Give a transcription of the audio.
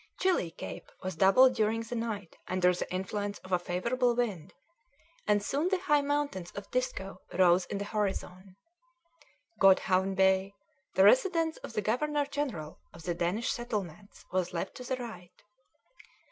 Chilly Cape was doubled during the night under the influence of a favourable wind, and soon the high mountains of Disko rose in the horizon. Godhavn Bay, the residence of the Governor General of the Danish Settlements, was left to the right.